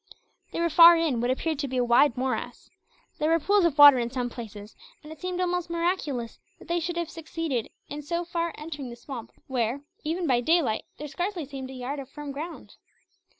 They were far in what appeared to be a wide morass. There were pools of water in some places, and it seemed almost miraculous that they should have succeeded in so far entering the swamp where, even by daylight, there scarcely seemed a yard of firm ground.